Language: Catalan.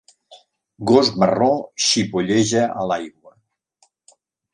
Gos marró xipolleja a l'aigua